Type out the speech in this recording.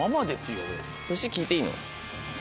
年聞いていいの？